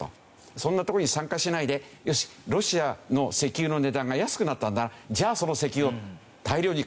そんなとこに参加しないでよしロシアの石油の値段が安くなったんだじゃあその石油を大量に買おうじゃないかって。